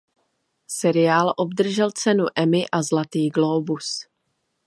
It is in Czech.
Seriál obdržel cenu Emmy a Zlatý glóbus.